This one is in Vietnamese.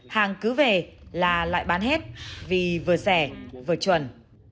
hàng cứ về là lại bán hết vì vừa rẻ vừa chuẩn